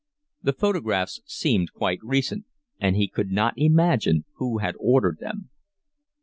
The photographs seemed quite recent, and he could not imagine who had ordered them.